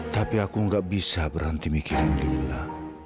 tapi aku gak bisa berhenti mikirin lila